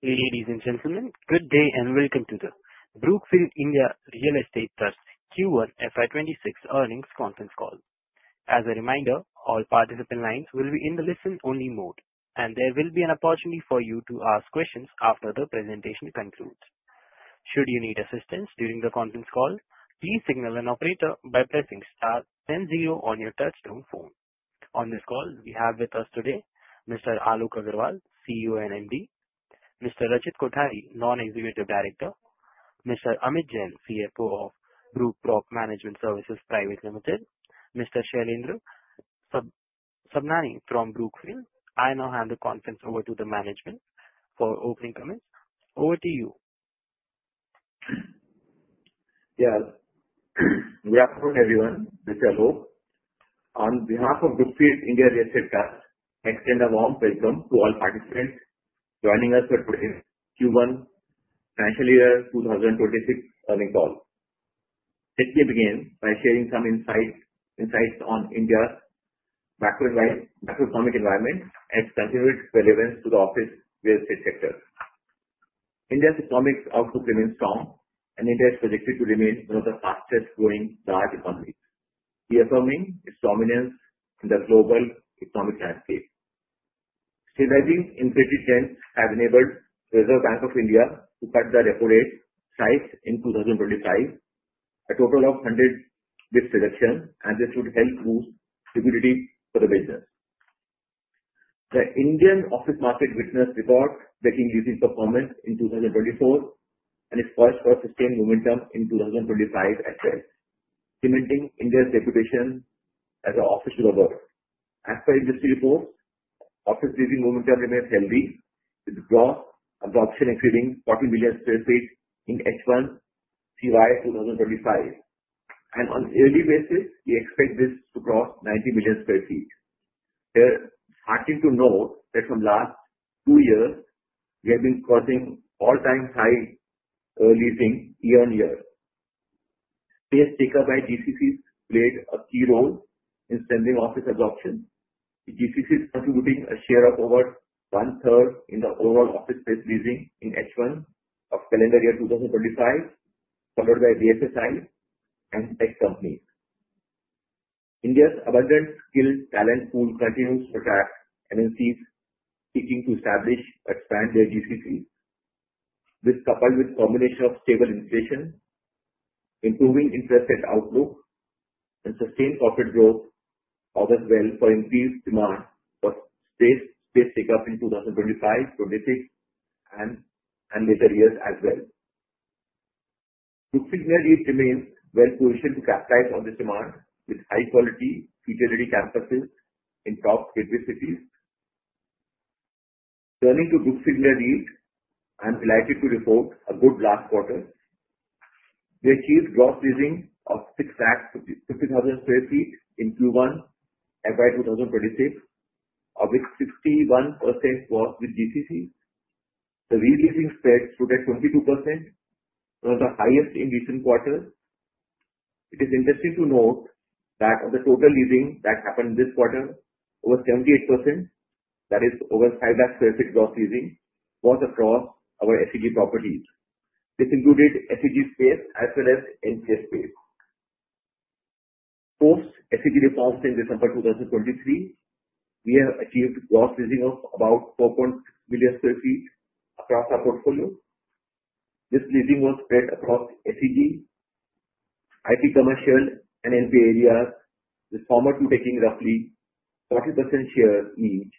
Ladies and gentlemen, good day and welcome to the Brookfield India Real Estate Trust Q1 FY26 Earnings Conference Call. As a reminder, all participant lines will be in the listen-only mode, and there will be an opportunity for you to ask questions after the presentation concludes. Should you need assistance during the conference call, please signal an operator by pressing star then 0 on your touch-tone phone. On this call, we have with us today Mr. Alok Aggarwal, CEO and MD. Mr. Rajeev Kothari, Non-Executive Director. Mr. Amit Jain, CFO of Brookprop Management Services Private Limited. Mr. Shailendra Subnani from Brookfield. I now hand the conference over to the management for opening comments. Over to you. Yeah. Good afternoon, everyone. This is Alok. On behalf of Brookfield India Real Estate Trust, I extend a warm welcome to all participants joining us for today's Q1 Financial Year 2026 earnings call. Let me begin by sharing some insights on India's Macroeconomic Environment and its continued relevance to the office real estate sector. India's economic outlook remains strong, and India is projected to remain one of the fastest-growing large economies, reaffirming its dominance in the global economic landscape. Stabilizing inflation trends have enabled the Reserve Bank of India to cut the repo rate twice in 2025, a total of 100 basis points reduction, and this would help boost liquidity for the business. The Indian office market witnessed record-breaking leasing performance in 2024 and is poised for sustained momentum in 2025 as well, cementing India's reputation as an office hub. As per industry reports, office leasing momentum remains healthy, with gross absorption exceeding 40 million sq ft in H1 CY 2025, and on a yearly basis, we expect this to cross 90 million sq ft. We're starting to note that from the last two years, we have been crossing all-time high leasing year on year. Space take-up by GCCs played a key role in strengthening office absorption, with GCCs contributing a share of over one-third in the overall office space leasing in H1 of calendar year 2025, followed by BFSI and tech companies. India's abundant skilled talent pool continues to attract MNCs seeking to establish or expand their GCCs, coupled with a combination of stable inflation, improving interest rate outlook, and sustained corporate growth, all as well for increased demand for space take-up in 2025, 2026, and later years as well. Brookfield India Real Estate Trust remains well-positioned to capitalize on this demand with high-quality, future-ready campuses in top 3 cities. Turning to Brookfield India Real Estate Trust, I'm delighted to report a good last quarter. We achieved gross leasing of 650,000 sq ft in Q1 FY 2026, of which 61% was with GCCs. The re-leasing spread stood at 22%, one of the highest in recent quarters. It is interesting to note that of the total leasing that happened this quarter, over 78%, that is, over 500,000 sq ft gross leasing, was across our SEZ properties. This included SEZ space as well as non-SEZ space. Post-SEZ reforms in December 2023, we have achieved gross leasing of about 4.6 million sq ft across our portfolio. This leasing was spread across SEZ, IT commercial, and NPA areas, with the former two taking roughly 40% share each,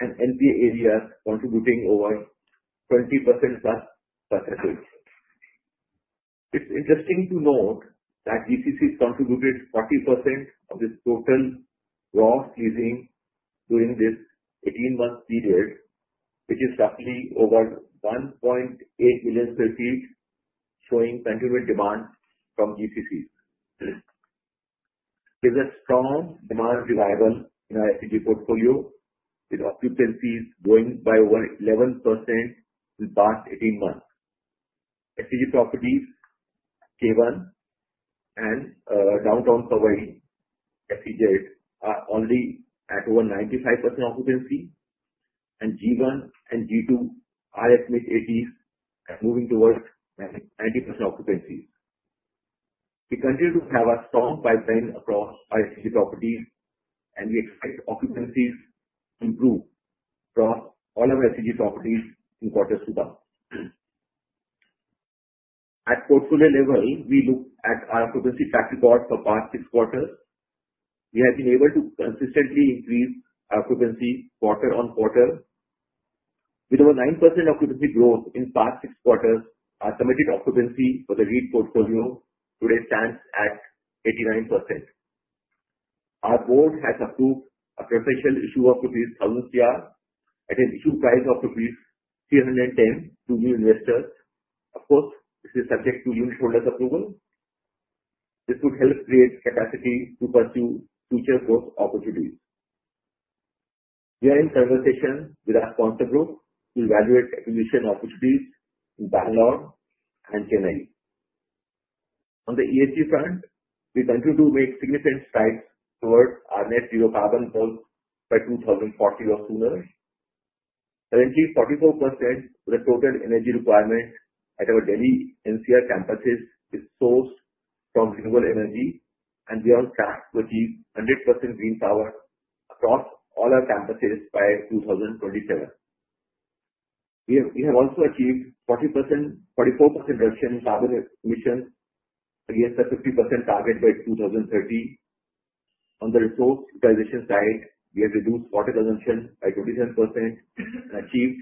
and NPA areas contributing over 20%. It's interesting to note that GCCs contributed 40% of this total gross leasing during this 18-month period, which is roughly over 1.8 million sq ft, showing continued demand from GCCs. There's a strong demand revival in our SEZ portfolio, with occupancies growing by over 11% in the past 18 months. SEZ properties K1 and Downtown Powai SEZ are already at over 95% occupancy, and G1 and G2 are at mid-80s and moving towards 90% occupancies. We continue to have a strong pipeline across our SEZ properties, and we expect occupancies to improve across all of our SEZ properties in quarters to come. At portfolio level, we look at our occupancy track record for past six quarters. We have been able to consistently increase our occupancy quarter on quarter. With over 9% occupancy growth in past six quarters, our committed occupancy for the REIT portfolio today stands at 89%. Our board has approved a preferential issue of rupees 1,000 crore at an issue price of rupees 310 to new investors. Of course, this is subject to unit holders' approval. This would help create capacity to pursue future growth opportunities. We are in conversation with our sponsor group to evaluate acquisition opportunities in Bengaluru and Chennai. On the ESG front, we continue to make significant strides towards our net zero carbon goals by 2040 or sooner. Currently, 44% of the total energy requirement at our Delhi NCR campuses is sourced from renewable energy, and we are on track to achieve 100% green power across all our campuses by 2027. We have also achieved 44% reduction in carbon emissions against the 50% target by 2030. On the resource utilization side, we have reduced water consumption by 27% and achieved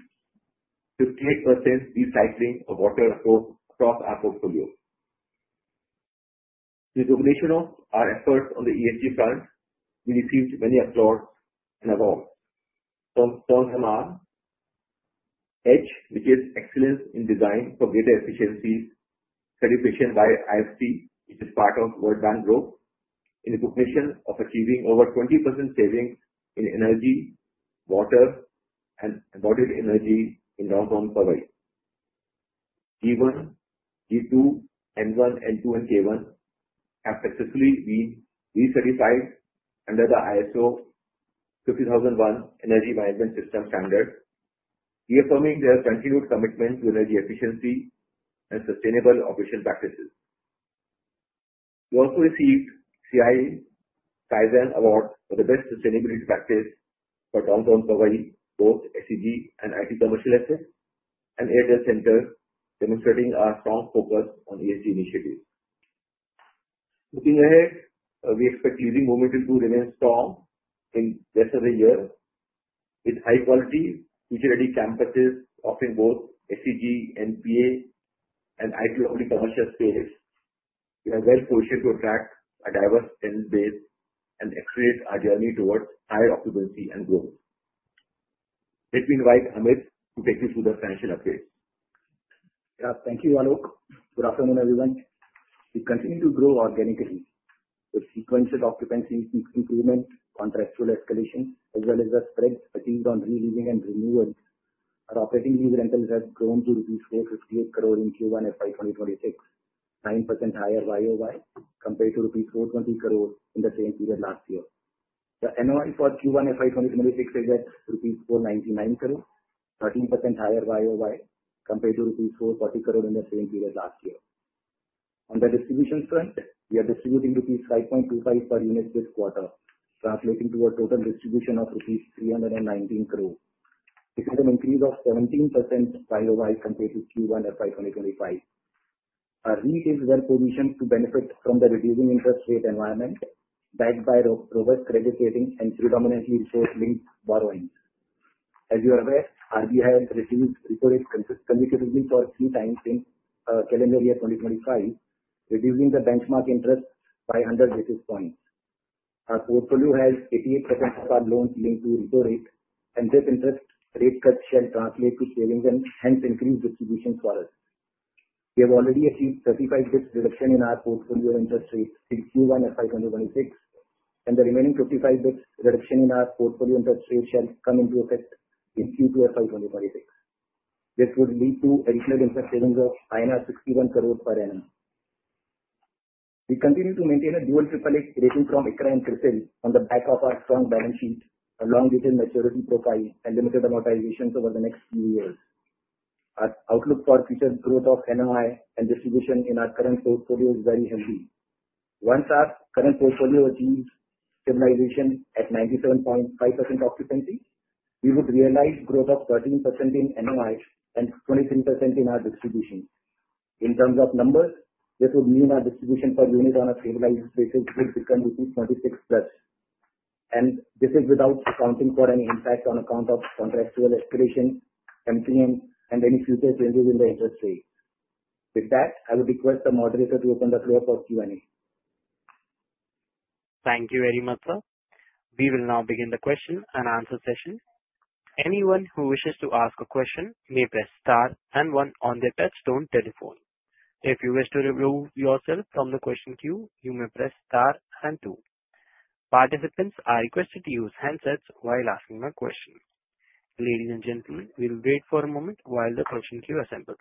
58% recycling of water across our portfolio. With the completion of our efforts on the ESG front, we received many applause and awards. From EDGE, which is excellence in design for greater efficiencies, certification by IFC, which is part of World Bank Group, in recognition of achieving over 20% savings in energy, water, and embodied energy in Downtown Powai. G1, G2, N1, N2, and K1 have successfully been recertified under the ISO 50001 Energy Management System Standard, reaffirming their continued commitment to energy efficiency and sustainable operation practices. We also received CII Kaizen Award for the best sustainability practice for Downtown Powai, both SEZ and IT commercial asset and Airtel Center, demonstrating our strong focus on ESG initiatives. Looking ahead, we expect leasing momentum to remain strong in the rest of the year. With high-quality, future-ready campuses offering both SEZ, NPA, and IT local commercial space, we are well-positioned to attract a diverse tenant base and accelerate our journey towards higher occupancy and growth. Let me invite Amit to take you through the financial updates. Yeah, thank you, Alok. Good afternoon, everyone. We continue to grow organically. With sequence of occupancy improvement, contractual escalation, as well as the spreads achieved on re-leasing and renewal, our operating lease rentals have grown to rupees 458 crore in Q1 FY 2026, 9% higher YOY compared to rupees 420 crore in the same period last year. The NOI for Q1 FY 2026 is at rupees 499 crore, 13% higher YOY compared to rupees 440 crore in the same period last year. On the distribution front, we are distributing rupees 5.25 per unit this quarter, translating to a total distribution of rupees 319 crore. This is an increase of 17% YOY compared to Q1 FY 2025. Our REIT is well-positioned to benefit from the reducing interest rate environment backed by robust credit rating and predominantly resource-linked borrowing. As you are aware, RBI has reported consistent repo cuts for three times since calendar year 2025, reducing the benchmark interest by 100 basis points. Our portfolio has 88% of our loans linked to repo rate, and this interest rate cut shall translate to savings and hence increase distributions for us. We have already achieved 35 basis points reduction in our portfolio interest rate in Q1 FY 2026, and the remaining 55 basis points reduction in our portfolio interest rate shall come into effect in Q2 FY 2026. This would lead to additional interest savings of INR 61 crore per annum. We continue to maintain a dual triple-A rating from ICRA and CRISIL on the back of our strong balance sheet, a long-dated maturity profile, and limited amortizations over the next few years. Our outlook for future growth of NOI and distribution in our current portfolio is very healthy. Once our current portfolio achieves stabilization at 97.5% occupancy, we would realize growth of 13% in NOI and 23% in our distribution. In terms of numbers, this would mean our distribution per unit on a stabilized basis would become 26 plus. This is without accounting for any impact on account of contractual escalation, MTM, and any future changes in the interest rate. With that, I would request the moderator to open the floor for Q&A. Thank you very much, sir. We will now begin the question and answer session. Anyone who wishes to ask a question may press star and one on their touch-tone telephone. If you wish to remove yourself from the question queue, you may press star and two. Participants are requested to use handsets while asking a question. Ladies and gentlemen, we will wait for a moment while the question queue assembles.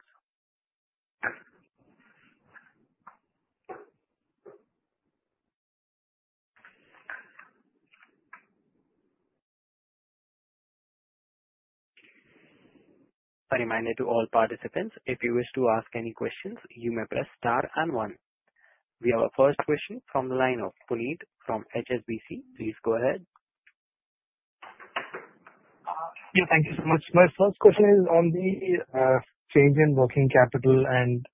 A reminder to all participants, if you wish to ask any questions, you may press star and one. We have a first question from the line of Puneet from HSBC. Please go ahead. Yeah, thank you so much. My first question is on the change in working capital and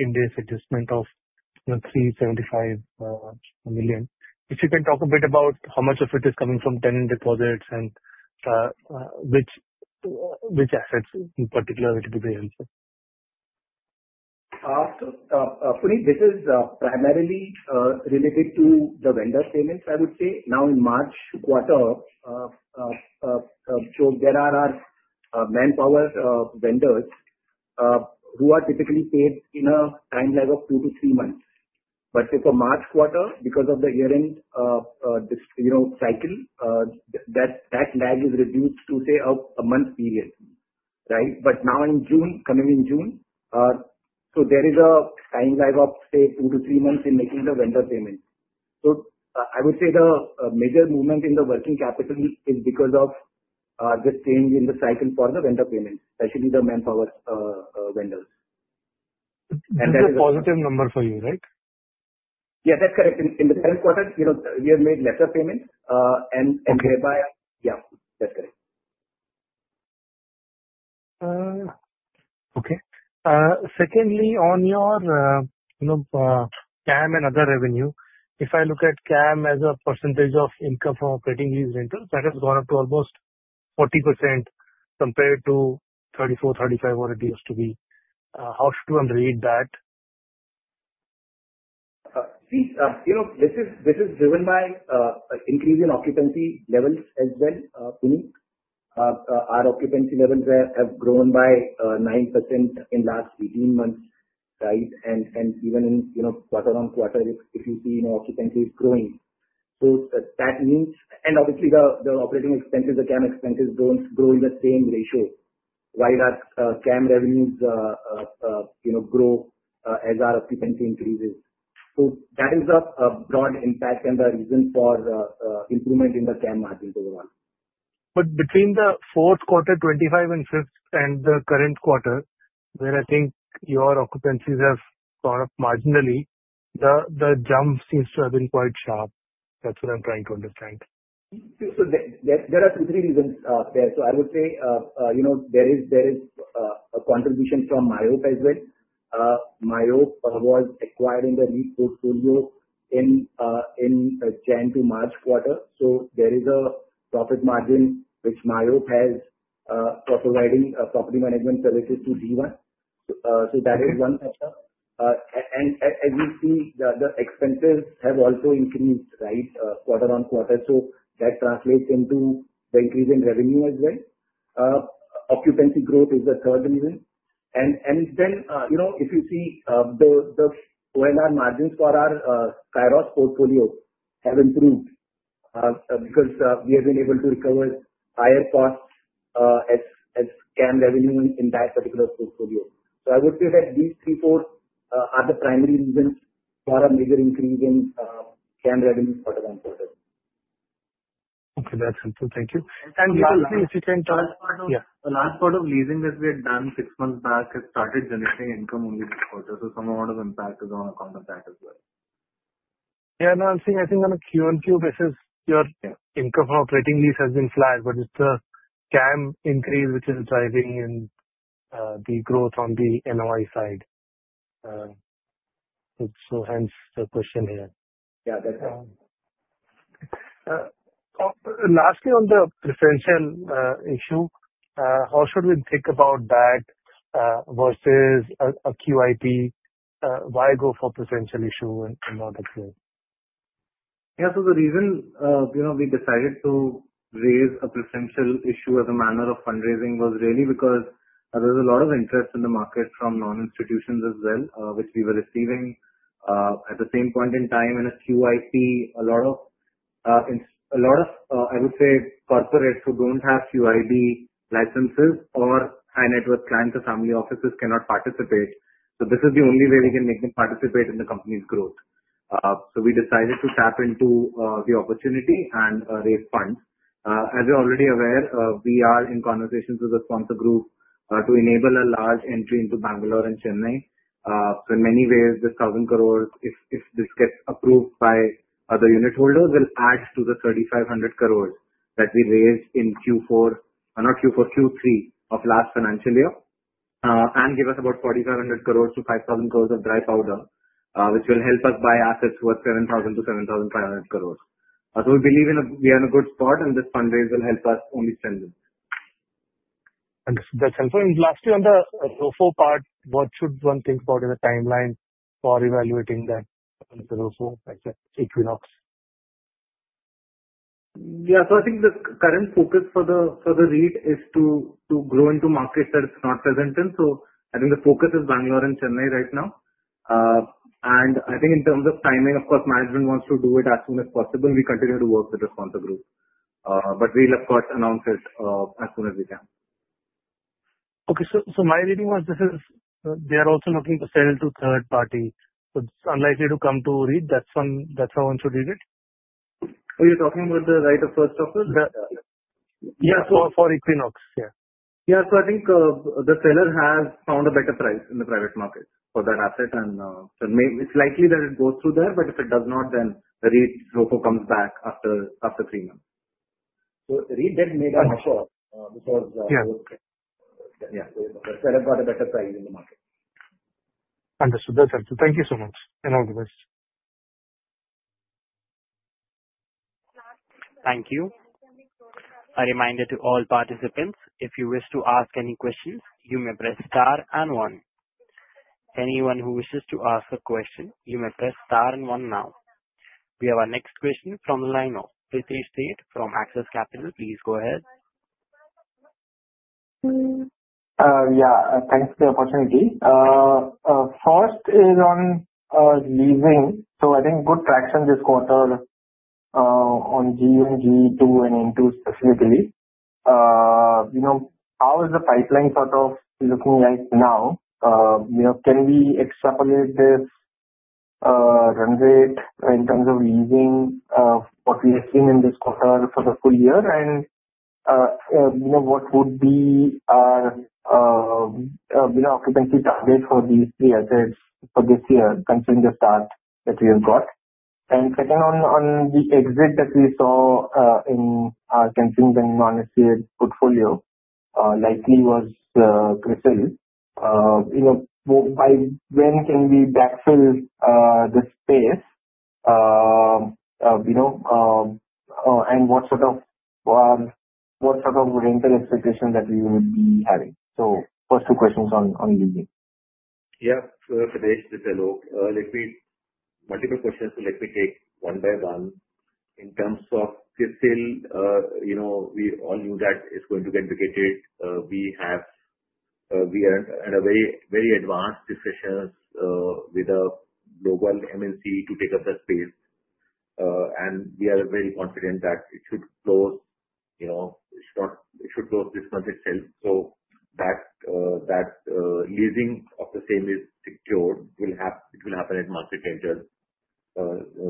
index adjustment of 375 million. If you can talk a bit about how much of it is coming from tenant deposits and which assets in particular it will be behind? Puneet, this is primarily related to the vendor payments, I would say. Now in Q1, there are manpower vendors who are typically paid in a time lag of two to three months. But for Q1, because of the year-end cycle, that lag is reduced to, say, a month period, right? But now in June, coming in June, so there is a time lag of, say, two to three months in making the vendor payment. So I would say the major movement in the working capital is because of this change in the cycle for the vendor payments, especially the manpower vendors. This is a positive number for you, right? Yeah, that's correct. In the current quarter, we have made lesser payments, and thereby, yeah, that's correct. Okay. Secondly, on your CAM and other revenue, if I look at CAM as a percentage of income from operating lease rentals, that has gone up to almost 40% compared to 34%-35% what it used to be. How should we read that? See, this is driven by increase in occupancy levels as well, Puneet. Our occupancy levels have grown by 9% in the last 18 months, right? And even in quarter on quarter, if you see occupancy is growing. So that means, and obviously, the operating expenses, the CAM expenses don't grow in the same ratio while our CAM revenues grow as our occupancy increases. So that is a broad impact and a reason for improvement in the CAM margins overall. But between the Q4, 25, and fifth, and the current quarter, where I think your occupancies have gone up marginally, the jump seems to have been quite sharp. That's what I'm trying to understand. There are two or three reasons there. I would say there is a contribution from MIOP as well. MIOP was acquired in the REIT portfolio in Q1. There is a profit margin which MIOP has for providing property management services to G1. That is one factor. As you see, the expenses have also increased, right, quarter on quarter. That translates into the increase in revenue as well. Occupancy growth is the third reason. Then if you see the NOI margins for our Kairos portfolio have improved because we have been able to recover higher costs as CAM revenue in that particular portfolio. I would say that these three, four are the primary reasons for a major increase in CAM revenue quarter on quarter. Okay, that's helpful. Thank you. And lastly, if you can talk about. Yeah, the last part of leasing that we had done six months back has started generating income only this quarter. So some amount of impact is on account of that as well. Yeah, no, I'm seeing I think on a Q on Q basis, your income from operating lease has been flat, but it's the CAM increase which is driving the growth on the NOI side. So hence the question here. Yeah, that's right. Lastly, on the preferential issue, how should we think about that versus a QIP? Why go for preferential issue and not a QIP? Yeah, so the reason we decided to raise a preferential issue as a manner of fundraising was really because there was a lot of interest in the market from non-institutions as well, which we were receiving at the same point in time in a QIP. A lot of, I would say, corporates who don't have QIB licenses or high net worth clients or family offices cannot participate. So this is the only way we can make them participate in the company's growth. So we decided to tap into the opportunity and raise funds. As you're already aware, we are in conversations with the sponsor group to enable a large entry into Bengaluru and Chennai. In many ways, this 1,000 crore, if this gets approved by the unit holders, will add to the 3,500 crore that we raised in Q4, not Q4, Q3 of last financial year and give us about 4,500 crore-5,000 crore of dry powder, which will help us buy assets worth 7,000 crore-7,500 crore. We believe we are in a good spot, and this fundraiser will help us only spend it. That's helpful. And lastly, on the ROFO part, what should one think about in the timeline for evaluating that ROFO, Equinox? Yeah, so I think the current focus for the REIT is to grow into markets that it's not present in. So I think the focus is Bengaluru and Chennai right now. And I think in terms of timing, of course, management wants to do it as soon as possible. We continue to work with the sponsor group, but we'll, of course, announce it as soon as we can. Okay, so my reading was this is they are also looking to sell to third party. So it's unlikely to come to REIT. That's how one should read it? Oh, you're talking about the right of first offers? Yeah, for Equinox, yeah. Yeah, so I think the seller has found a better price in the private market for that asset, and it's likely that it goes through there, but if it does not, then REIT ROFO comes back after three months, so REIT debt may come up because the seller got a better price in the market. Understood. That's helpful. Thank you so much. And all the best. Thank you. A reminder to all participants, if you wish to ask any questions, you may press star and one. Anyone who wishes to ask a question, you may press star and one now. We have our next question from the line of. Please state from Axis Capital. Please go ahead. Yeah, thanks for the opportunity. First is on leasing. So I think good traction this quarter on G1, G2, and N2 specifically. How is the pipeline sort of looking like now? Can we extrapolate this run rate in terms of leasing what we have seen in this quarter for the full year? And what would be our occupancy target for these three assets for this year considering the start that we have got? And second, on the exit that we saw in our considering the non-SEZ portfolio, likely was CRISIL. By when can we backfill the space? And what sort of rental expectations that we would be having? So first two questions on leasing. Yeah, so there are multiple questions, so let me take one by one. In terms of CRISIL, we all knew that it's going to get vacated. We are in a very advanced position with a global MNC to take up the space. And we are very confident that it should close. It should close this month itself. So the leasing of the same is secured. It will happen at market rentals.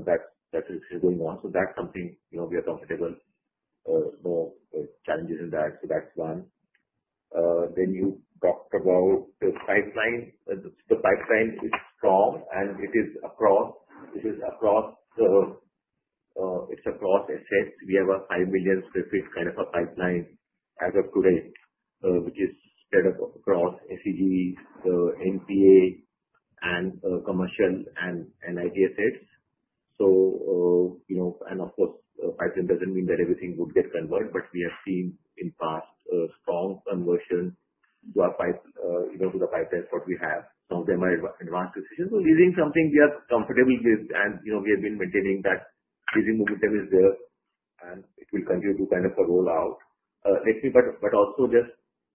That's what's going on. So that's something we are comfortable. No challenges in that. So that's one. Then you talked about the pipeline. The pipeline is strong, and it is across the assets. We have a 5 million sq ft kind of a pipeline as of today, which is spread across SEZ, NPA, and commercial and non-IT assets. And, of course, pipeline doesn't mean that everything would get converted, but we have seen in past strong conversion to the pipelines what we have. Some of them are advanced decisions. So leasing is something we are comfortable with, and we have been maintaining that leasing momentum is there, and it will continue to kind of roll out. But also just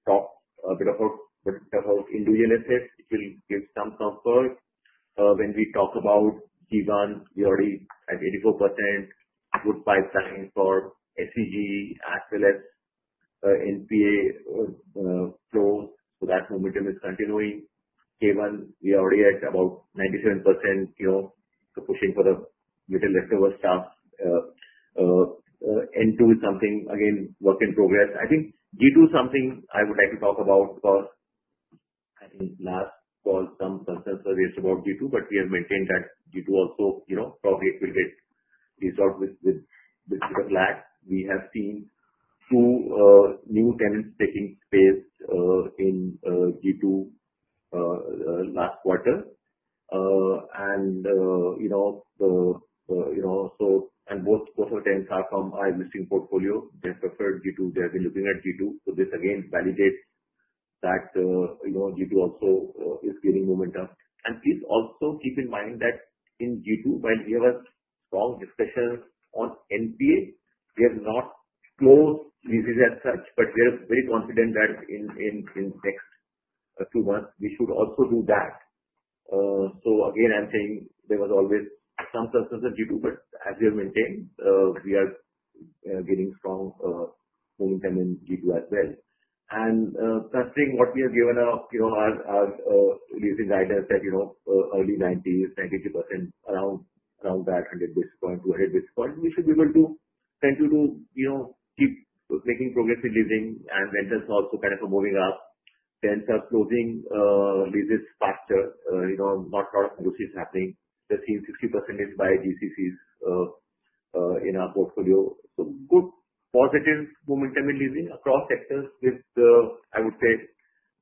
talk a bit about individual assets. It will give some comfort when we talk about G1. We already at 84% good pipeline for SEZ as well as NPA flows. So that momentum is continuing. K1, we are already at about 97%. So pushing for the little leftover stuff. N2 is something, again, work in progress. I think G2 is something I would like to talk about because I think last call, some concerns were raised about G2, but we have maintained that G2 also probably will get resolved with the flag. We have seen two new tenants taking space in G2 last quarter, and both of the tenants are from our existing portfolio. They have preferred G2. They have been looking at G2. So this again validates that G2 also is gaining momentum, and please also keep in mind that in G2, while we have a strong discussion on NPA, we have not closed leases as such, but we are very confident that in the next few months, we should also do that. So again, I'm saying there was always some concerns of G2, but as we have maintained, we are getting strong momentum in G2 as well. Considering what we have given up, our leasing guidance said early 90s, 92%, around that 100 basis points, 200 basis points, we should be able to continue to keep making progress in leasing. Rentals also kind of are moving up. Tenants are closing leases faster. Not a lot of news is happening. Just seen 60% is by GCCs in our portfolio. Good positive momentum in leasing across sectors with, I would say,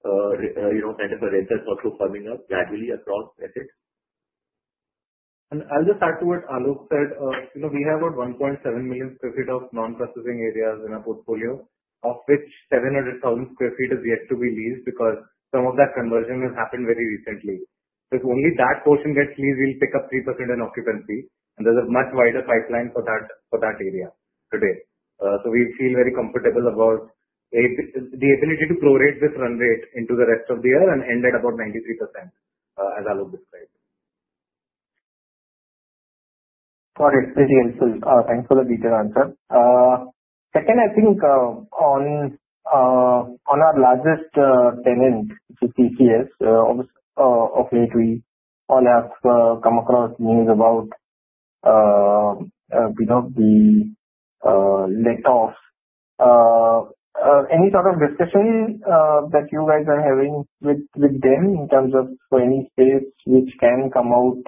kind of a rentals also firming up gradually across assets. I'll just add to what Alok said. We have about 1.7 million sq ft of non-processing areas in our portfolio, of which 700,000 sq ft is yet to be leased because some of that conversion has happened very recently. If only that portion gets leased, we'll pick up 3% in occupancy. There's a much wider pipeline for that area today. So we feel very comfortable about the ability to prorate this run rate into the rest of the year and end at about 93%, as Alok described. For experience, so thanks for the detailed answer. Second, I think on our largest tenant, which is TCS, of late, we all have come across news about the layoff. Any sort of discussion that you guys are having with them in terms of any space which can come out,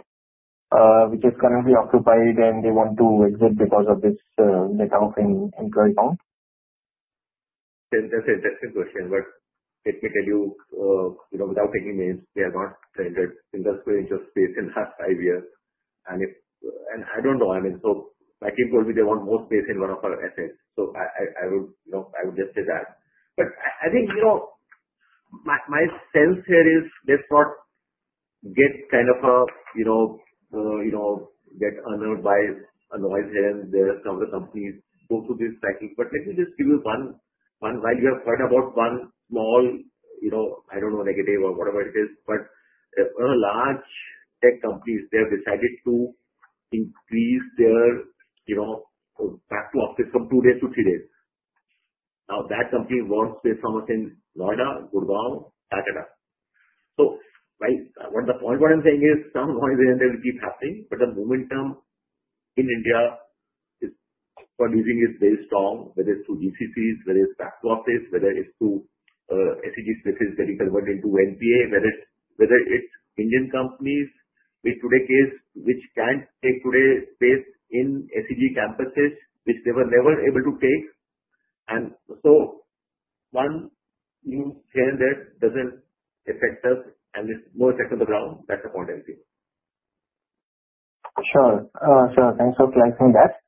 which is currently occupied, and they want to exit because of this layoff in employee count? That's an interesting question, but let me tell you, without taking names, we have not rented in the space in the last five years, and I don't know. I mean, so my team told me they want more space in one of our assets. So I would just say that. But I think my sense here is let's not get kind of unnerved by a noise here and there some of the companies go through this cycle. But let me just give you one while you have heard about one small, I don't know, negative or whatever it is. But large tech companies, they have decided to increase their back to office from two days to three days. Now, that company wants to establish in Noida, Gurugram, Kolkata. So, what the point I'm saying is some noise here and there will keep happening, but the momentum in India for leasing is very strong, whether it's to GCCs, whether it's back to office, whether it's to SEZ spaces getting converted into NPA, whether it's Indian companies in IT case, which can take IT space in SEZ campuses, which they were never able to take. And so one, you saying that doesn't affect us and is more effective on the ground, that's a point I'll give. Sure. Sure. Thanks for clarifying that.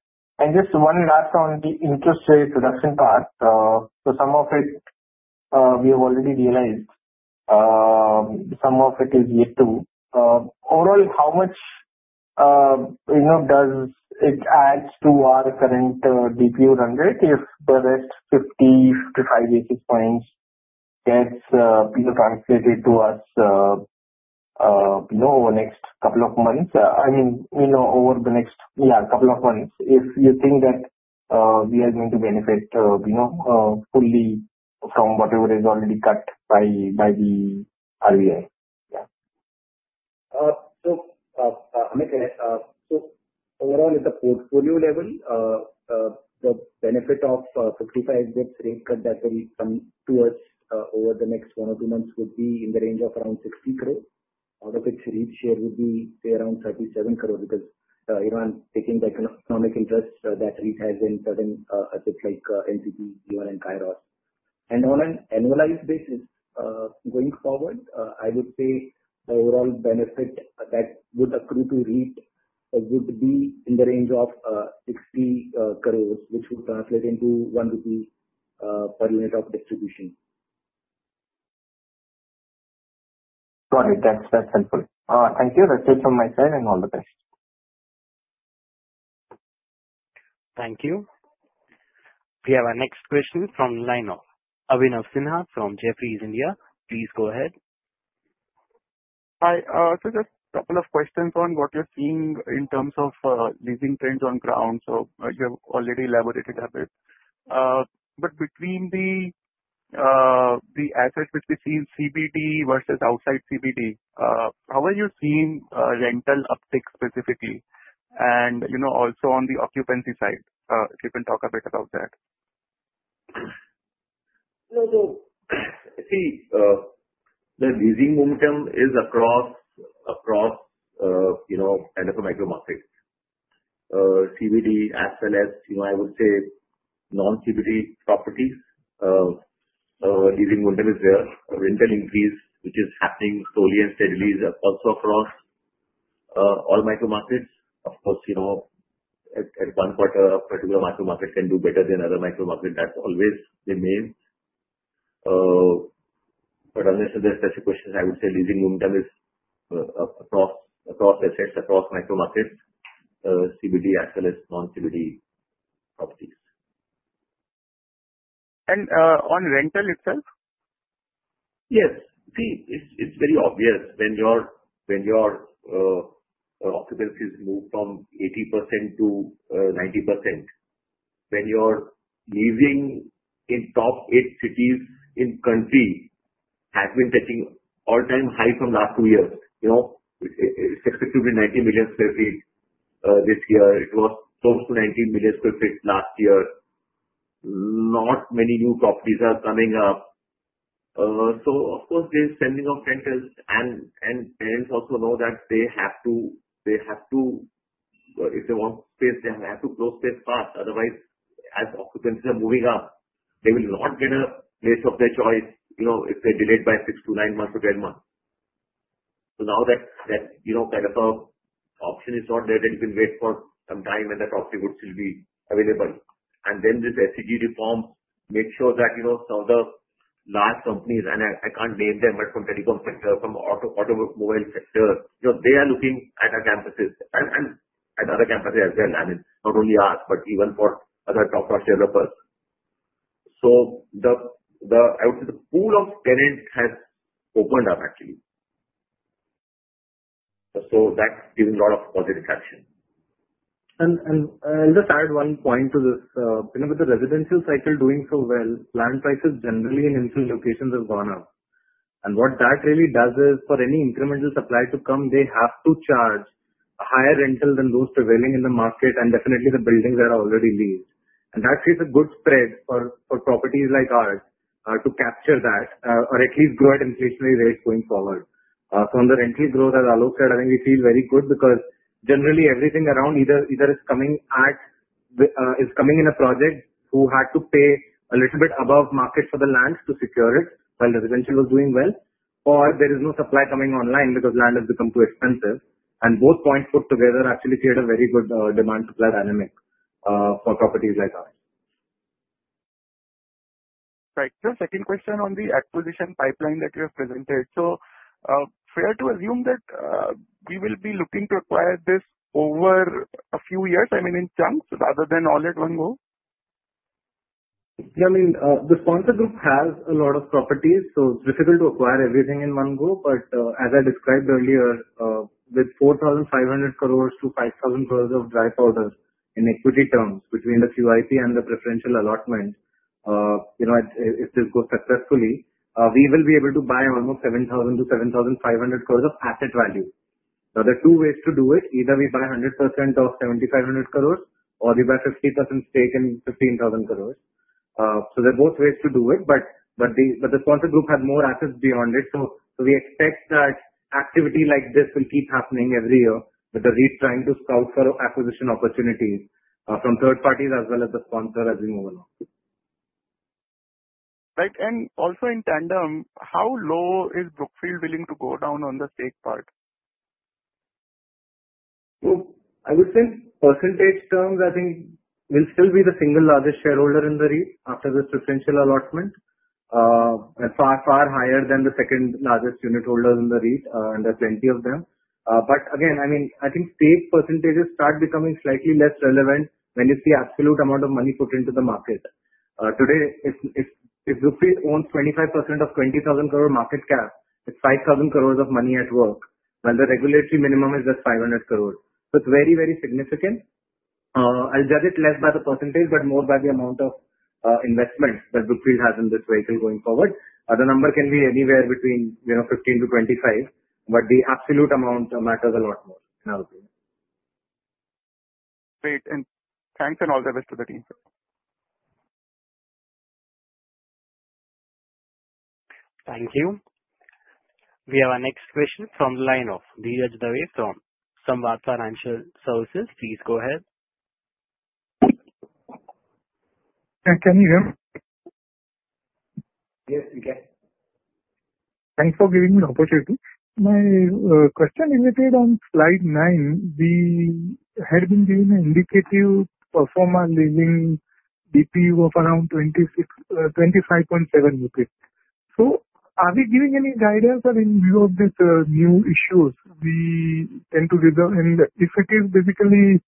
And just one last on the interest rate reduction part. So some of it we have already realized. Some of it is yet to. Overall, how much does it add to our current DPU run rate if the rest 50 to 5 basis points gets translated to us over the next couple of months? I mean, over the next, yeah, couple of months, if you think that we are going to benefit fully from whatever is already cut by the RBI? Yeah. So Amit says, so overall at the portfolio level, the benefit of 55 basis points rate cut that will come to us over the next one or two months would be in the range of around 60 crore. Out of which, REIT share would be, say, around 37 crore because taking the economic interest that REIT has in certain assets like NPA, G1, and Kairos. And on an annualized basis, going forward, I would say the overall benefit that would accrue to REIT would be in the range of 60 crores, which would translate into 1 rupee per unit of distribution. Got it. That's helpful. Thank you. That's it from my side and all the best. Thank you. We have our next question from the line of Abhinav Sinha from Jefferies India. Please go ahead. Hi. So just a couple of questions on what you're seeing in terms of leasing trends on ground. So you have already elaborated a bit. But between the assets which we see in CBD versus outside CBD, how are you seeing rental uptick specifically? And also on the occupancy side, if you can talk a bit about that. No, so see, the leasing momentum is across kind of a micro market. CBD as well as, I would say, non-CBD properties. Leasing momentum is there. Rental increase, which is happening slowly and steadily, is also across all micro markets. Of course, at one quarter, a particular micro market can do better than other micro markets. That's always the main. But unless there's specific questions, I would say leasing momentum is across assets, across micro markets, CBD as well as non-CBD properties. On rental itself? Yes. See, it's very obvious when your occupancies move from 80% to 90%. When your leasing in top eight cities in country has been touching all-time highs from the last two years. It's expected to be 90 million sq ft this year. It was close to 90 million sq ft last year. Not many new properties are coming up. So of course, the spending of tenants and tenants also know that they have to, if they want space, they have to close space fast. Otherwise, as occupancies are moving up, they will not get a place of their choice if they delayed by 6-9 months or 10 months. So now that kind of an option is not there, then you can wait for some time and the property would still be available. And then this SEZ reform makes sure that some of the large companies, and I can't name them but from telecom sector, from automobile sector, they are looking at our campuses and other campuses as well. I mean, not only us, but even for other top-notch developers. So I would say the pool of tenants has opened up, actually. So that's given a lot of positive traction. And I'll just add one point to this. With the residential cycle doing so well, land prices generally in insulated locations have gone up. And what that really does is for any incremental supply to come, they have to charge a higher rental than those prevailing in the market, and definitely the buildings that are already leased. And that creates a good spread for properties like ours to capture that or at least grow at inflationary rates going forward. So on the rental growth, as Alok said, I think we feel very good because generally everything around either is coming in a project who had to pay a little bit above market for the land to secure it while residential was doing well, or there is no supply coming online because land has become too expensive. Both points put together actually create a very good demand-supply dynamic for properties like ours. Right. So second question on the acquisition pipeline that you have presented. So fair to assume that we will be looking to acquire this over a few years, I mean, in chunks rather than all at one go? Yeah. I mean, the sponsor group has a lot of properties, so it's difficult to acquire everything in one go. But as I described earlier, with 4,500-5,000 crores of dry powder in equity terms between the QIP and the preferential allotment, if this goes successfully, we will be able to buy almost 7,000-7,500 crores of asset value. Now, there are two ways to do it. Either we buy 100% of 7,500 crores or we buy 50% stake in 15,000 crores. So there are both ways to do it. But the sponsor group has more assets beyond it. So we expect that activity like this will keep happening every year with the REIT trying to scout for acquisition opportunities from third parties as well as the sponsor as we move along. Right. And also in tandem, how low is Brookfield willing to go down on the stake part? I would think percentage terms, I think, will still be the single largest shareholder in the REIT after this preferential allotment and far, far higher than the second largest unit holder in the REIT, and there are plenty of them. But again, I mean, I think stake percentages start becoming slightly less relevant when you see the absolute amount of money put into the market. Today, if Brookfield owns 25% of 20,000 crore market cap, it's 5,000 crores of money at work, while the regulatory minimum is just 500 crores. So it's very, very significant. I'll judge it less by the percentage, but more by the amount of investment that Brookfield has in this vehicle going forward. The number can be anywhere between 15% to 25%, but the absolute amount matters a lot more in our opinion. Great and thanks and all the best to the team. Thank you. We have our next question from the line of Dhiraj Dave from Samvad Financial Services. Please go ahead. Can you hear me? Yes, we can. Thanks for giving me the opportunity. My question related on slide 9. We had been given an indicative performer leasing DPU of around 25.7 rupees. So are we giving any guidance or in view of these new issues we tend to reserve? And if it is, basically,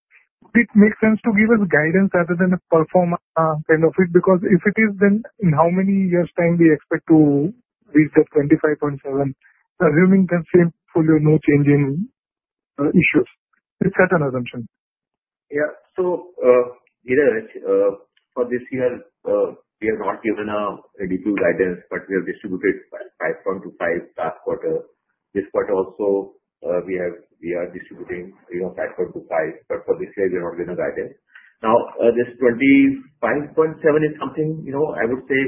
would it make sense to give us guidance rather than a performer kind of it? Because if it is, then in how many years' time do we expect to reach that 25.7, assuming the same portfolio, no changing issues? It's such an assumption. Yeah. So for this year, we have not given a DPU guidance, but we have distributed 5.25 last quarter. This quarter also, we are distributing 5.25. But for this year, we're not giving guidance. Now, this 25.7 is something, I would say.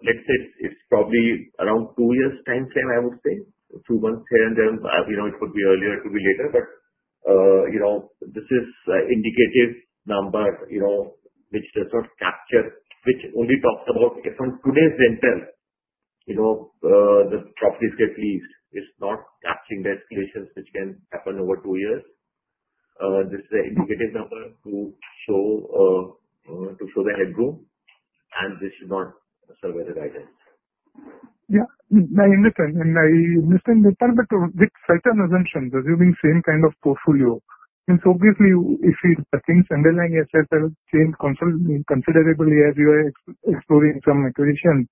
Let's say it's probably around two years' time frame, I would say, two months here and there. It could be earlier. It could be later. But this is an indicative number which does not capture, which only talks about if on today's rental, the properties get leased. It's not capturing the escalations which can happen over two years. This is an indicative number to show the headroom, and this should not serve as the guidance. Yeah. I understand. And I understand that part, but with such an assumption, assuming same kind of portfolio, means obviously if the things underlying it have changed considerably as you are exploring some acquisition,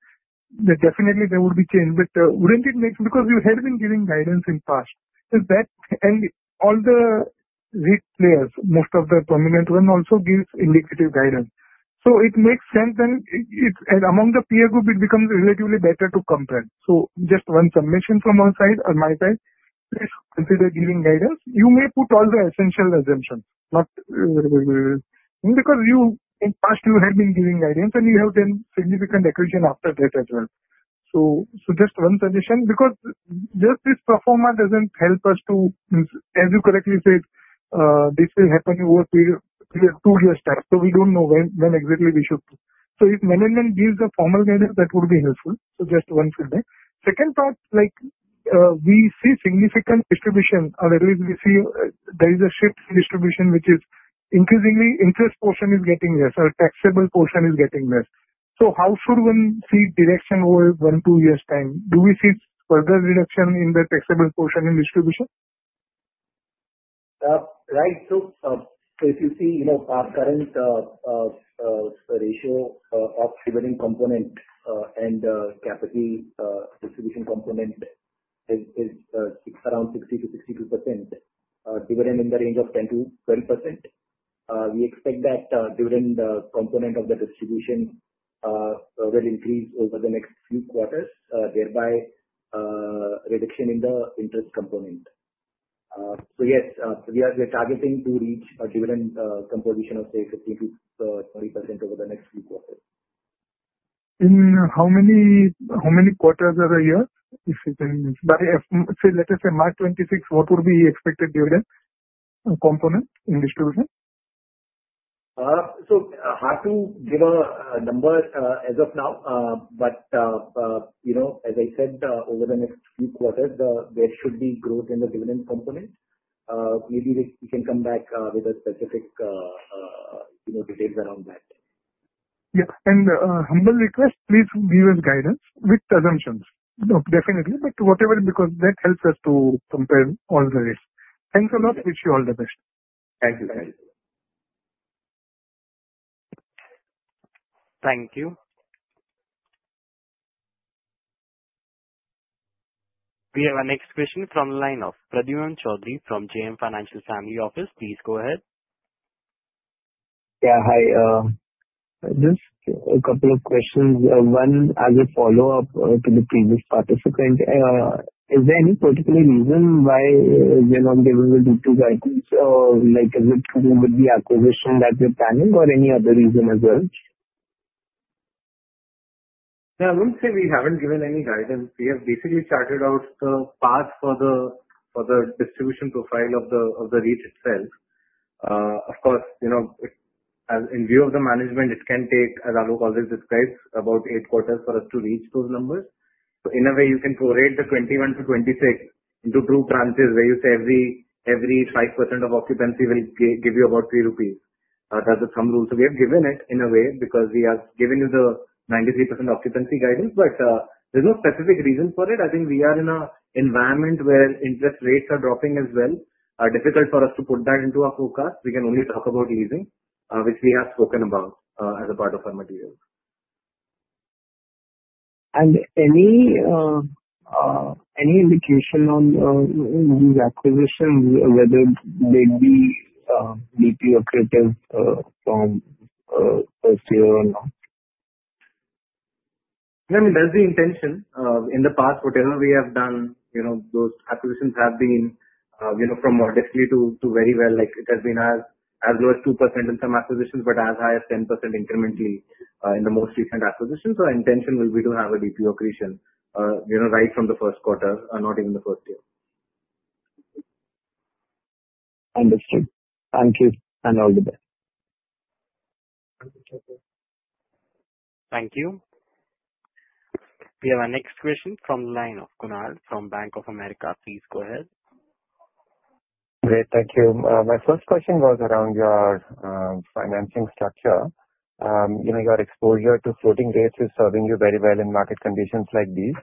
then definitely there would be change. But wouldn't it make sense because you had been giving guidance in the past? And all the REIT players, most of the prominent ones also give indicative guidance. So it makes sense. And among the peer group, it becomes relatively better to compare. So just one submission from our side or my side, please consider giving guidance. You may put all the essential assumptions, not because in the past you had been giving guidance, and you have done significant acquisition after that as well. So just one suggestion because just this performance doesn't help us to, as you correctly said, this will happen over two years' time. So we don't know when exactly we should. So if management gives a formal guidance, that would be helpful. So just one feedback. Second thought, we see significant distribution, or at least we see there is a shift in distribution, which is increasingly interest portion is getting less or taxable portion is getting less. So how should one see direction over one, two years' time? Do we see further reduction in the taxable portion in distribution? Right. So if you see our current ratio of dividend component and capital distribution component is around 60%-62%, dividend in the range of 10%-12%. We expect that dividend component of the distribution will increase over the next few quarters, thereby reduction in the interest component. So yes, we are targeting to reach a dividend composition of, say, 15%-20% over the next few quarters. In how many quarters of a year, if you can? But say, let us say March 2026, what would be expected dividend component in distribution? So hard to give a number as of now, but as I said, over the next few quarters, there should be growth in the dividend component. Maybe we can come back with a specific details around that. Yeah and humble request, please give us guidance with assumptions. No, definitely, but whatever because that helps us to compare all the risks. Thanks a lot. Wish you all the best. Thank you. Thank you. We have our next question from the line of Pradyumna Choudhary from JM Financial. Please go ahead. Yeah. Hi. Just a couple of questions. One, as a follow-up to the previous participant, is there any particular reason why we're not giving the DPU guidance? Is it with the acquisition that we're planning or any other reason as well? Yeah. I wouldn't say we haven't given any guidance. We have basically charted out the path for the distribution profile of the REIT itself. Of course, in view of the management, it can take, as Alok always describes, about eight quarters for us to reach those numbers. So in a way, you can prorate the 21-26 into two branches where you say every 5% of occupancy will give you about 3 rupees. There's some rules. So we have given it in a way because we have given you the 93% occupancy guidance, but there's no specific reason for it. I think we are in an environment where interest rates are dropping as well. It's difficult for us to put that into our forecast. We can only talk about leasing, which we have spoken about as a part of our material. Any indication on these acquisitions, whether they'd be DPU accretive from first year or not? Yeah. I mean, that's the intention. In the past, whatever we have done, those acquisitions have been from modestly to very well. It has been as low as 2% in some acquisitions, but as high as 10% incrementally in the most recent acquisitions. So our intention will be to have a DPU accretion right from the Q1, not even the first year. Understood. Thank you. And all the best. Thank you. We have our next question from line of Kunal from Bank of America. Please go ahead. Great. Thank you. My first question was around your financing structure. Your exposure to floating rates is serving you very well in market conditions like these.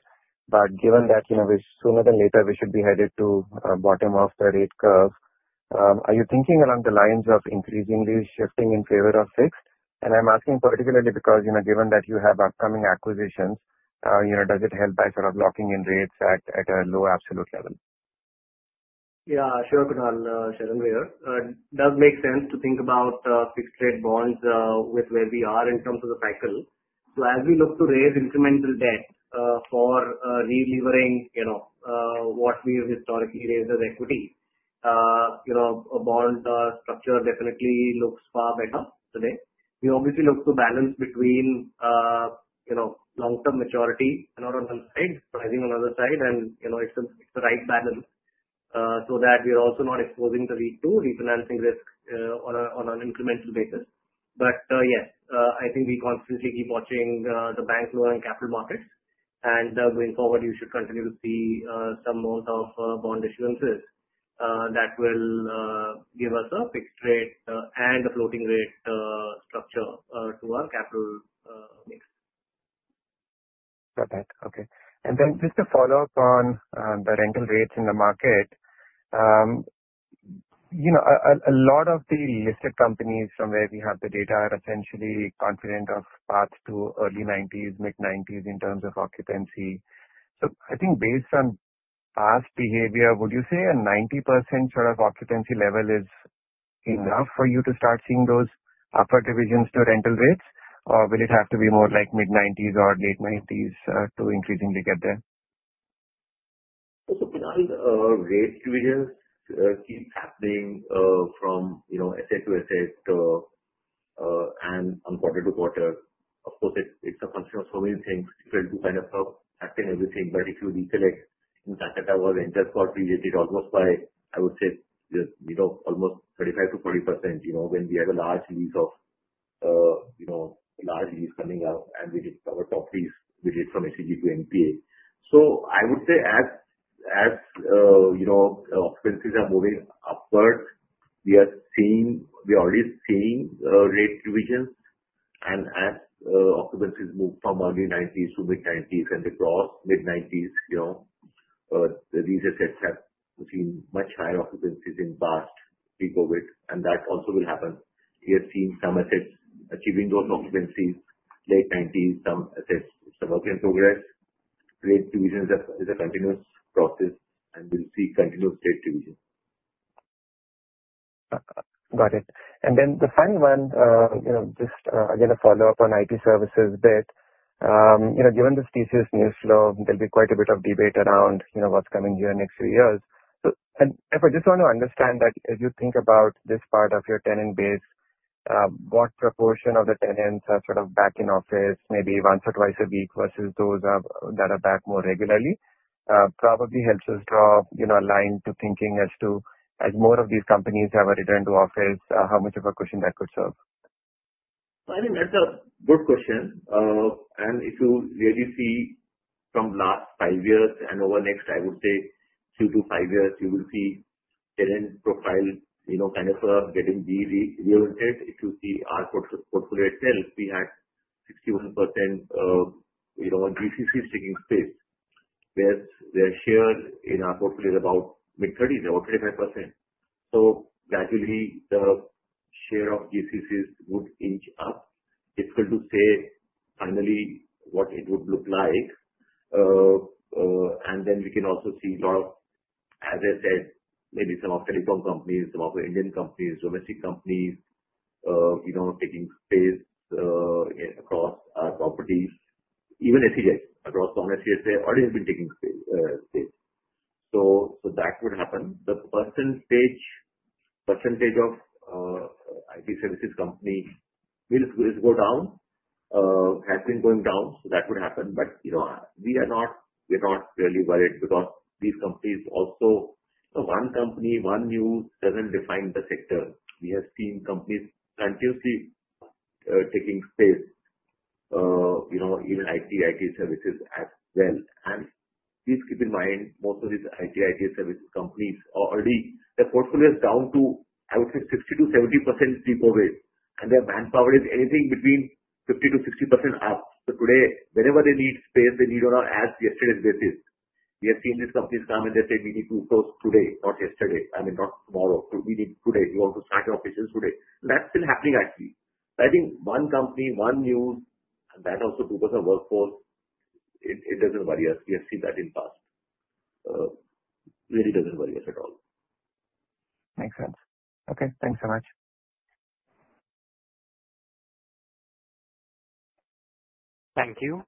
But given that sooner than later, we should be headed to the bottom of the rate curve, are you thinking along the lines of increasingly shifting in favor of fixed? And I'm asking particularly because given that you have upcoming acquisitions, does it help by sort of locking in rates at a low absolute level? Yeah. Sure, Kunal. Sharon Weir. It does make sense to think about fixed-rate bonds with where we are in terms of the cycle, so as we look to raise incremental debt for relevering what we've historically raised as equity, a bond structure definitely looks far better today. We obviously look to balance between long-term maturity and on one side, pricing on the other side, and it's the right balance so that we're also not exposing the REIT to refinancing risk on an incremental basis, but yes, I think we constantly keep watching the bank loan and capital markets, and going forward, you should continue to see some amount of bond issuances that will give us a fixed rate and a floating rate structure to our capital mix. Got it. Okay. And then just to follow up on the rental rates in the market, a lot of the listed companies from where we have the data are essentially confident of path to early 90s, mid-90s in terms of occupancy. So I think based on past behavior, would you say a 90% sort of occupancy level is enough for you to start seeing those upward revisions to rental rates, or will it have to be more like mid-90s or late 90s to increasingly get there? So Kunal, rate revisions keep happening from asset to asset and from quarter to quarter. Of course, it's a function of so many things. We try to kind of subtract everything, but if you recollect, in Kolkata, it was interpolated almost by, I would say, almost 35%-40% when we have a large lease or a large lease coming out, and we did our top lease. We did from SEZ to NPA. So I would say as occupancies are moving upward, we are already seeing rate revisions. And as occupancies move from early 90s to mid-90s and across mid-90s, these assets have seen much higher occupancies in the past pre-COVID. And that also will happen. We have seen some assets achieving those occupancies late 90s, some assets suburban progress. Rate revisions are a continuous process, and we'll see continuous rate revisions. Got it. And then the final one, just again, a follow-up on IT services bit. Given this tedious news flow, there'll be quite a bit of debate around what's coming here in the next few years. And I just want to understand that if you think about this part of your tenant base, what proportion of the tenants are sort of back in office, maybe once or twice a week versus those that are back more regularly? Probably helps us draw a line to thinking as to as more of these companies have a return to office, how much of a question that could serve? I think that's a good question, and if you really see from last five years and over the next, I would say, two to five years, you will see tenant profile kind of getting reoriented. If you see our portfolio itself, we had 61% GCCs taking space. Their share in our portfolio is about mid-30s, about 35%. So gradually, the share of GCCs would inch up. It's good to say finally what it would look like. And then we can also see a lot of, as I said, maybe some of Telecom companies, some of the Indian companies, domestic companies taking space across our properties. Even SEZ, across non-SEZ, already have been taking space. So that would happen. The percentage of IT services companies will go down, has been going down. So that would happen. But we are not really worried because these companies also one company, one news doesn't define the sector. We have seen companies continuously taking space, even IT, IT services as well. And please keep in mind, most of these IT, IT services companies already, their portfolio is down to, I would say, 60%-70% pre-COVID. And their manpower is anything between 50%-60% up. So today, whenever they need space, they need on an as-yesterday basis. We have seen these companies come and they say, "We need to close today, not yesterday. I mean, not tomorrow. We need today. We want to start our occupations today." That's still happening, actually. So I think one company, one news, and that also 2% workforce, it doesn't worry us. We have seen that in the past. Really doesn't worry us at all. Makes sense. Okay. Thanks so much. Thank you.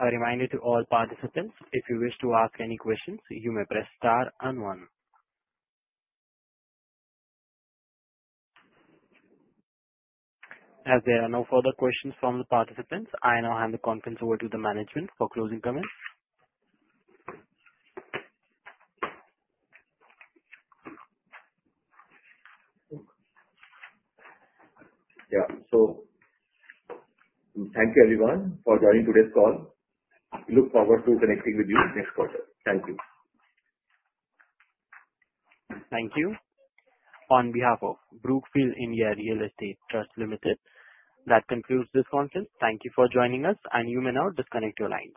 A reminder to all participants, if you wish to ask any questions, you may press star and one. As there are no further questions from the participants, I now hand the conference over to the management for closing comments. Yeah. So thank you, everyone, for joining today's call. We look forward to connecting with you next quarter. Thank you. Thank you. On behalf of Brookfield India Real Estate Trust Limited, that concludes this conference. Thank you for joining us, and you may now disconnect your line.